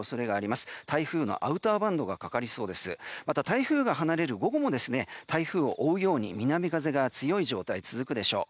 また、台風が離れる午後も台風を覆うように南風が強い状態が続くでしょう。